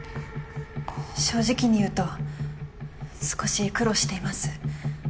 正直に言うと少し苦労しています。